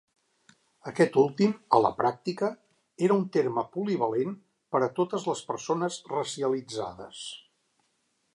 Aquest últim, a la pràctica, era un terme "polivalent" per a totes les persones racialitzades.